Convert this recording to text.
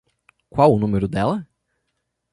Qual o número dela?